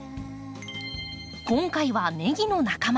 今回はネギの仲間